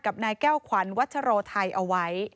นายแก้วขวัญวัชโรไทยเอาไว้